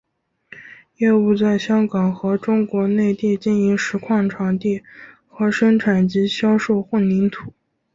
业务在香港和中国内地经营石矿场地和生产及销售混凝土。